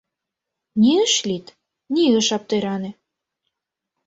Ни ыш лӱд, ни ыш аптыране.